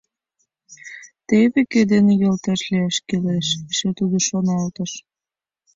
«Теве кӧ дене йолташ лияш кӱлеш, — эше тудо шоналтыш.